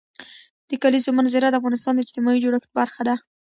د کلیزو منظره د افغانستان د اجتماعي جوړښت برخه ده.